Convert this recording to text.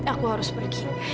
aku harus pergi